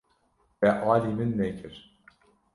Te alî min nekir.